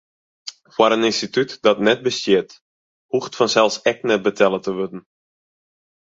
Foar in ynstitút dat net bestiet, hoecht fansels ek net betelle te wurden.